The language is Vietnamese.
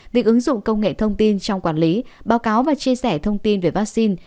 việc ứng dụng công nghệ thông tin trong quản lý báo cáo và chia sẻ thông tin về vaccine